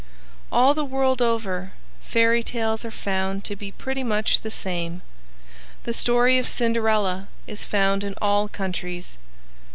All the world over, fairy tales are found to be pretty much the same. The story of Cinderella is found in all countries.